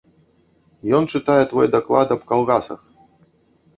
Ён чытае твой даклад аб калгасах!